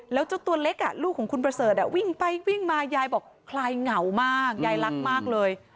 แล้วเจ้าตัวเล็กลูกของคุณประเสริฐวิ่งไปวิ่งมายายบอกคลายเหงามากยายรักมากเลย